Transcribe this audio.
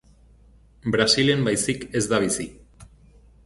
Brasilen baizik ez da bizi.